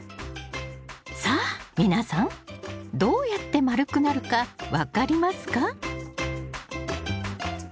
さあ皆さんどうやって丸くなるか分かりますか？